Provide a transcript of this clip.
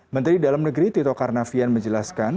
menteri dalam negeri tito karnavian menjelaskan